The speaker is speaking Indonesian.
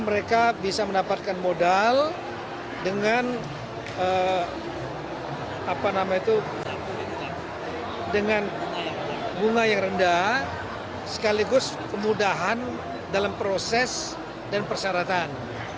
mereka bisa mendapatkan modal dengan bunga yang rendah sekaligus kemudahan dalam proses dan persyaratan